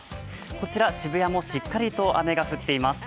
こちら渋谷もしっかりと雨が降っています。